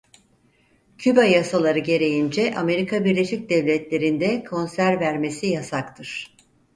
Küba yasaları gereğince Amerika Birleşik Devletleri'nde konser vermesi yasaktır.